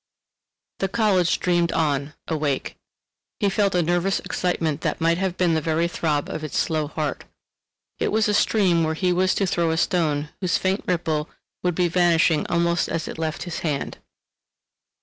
The college dreamed on—awake. He felt a nervous excitement that might have been the very throb of its slow heart. It was a stream where he was to throw a stone whose faint ripple would be vanishing almost as it left his hand.